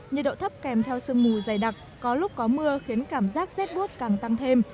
nhiệt độ thấp kèm theo sương mù dày đặc có lúc có mưa khiến cảm giác rét bút càng tăng thêm